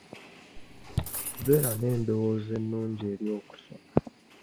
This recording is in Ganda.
Beera n'endowooza ennungi eri okusoma.